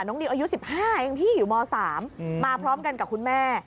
นิวอายุ๑๕เองพี่อยู่ม๓มาพร้อมกันกับคุณแม่